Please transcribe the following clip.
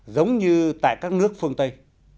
giống như tại các nước phương tây